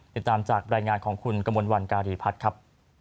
ติดตามจากรายงานของคุณกมลวันการีพัฒน์ครับ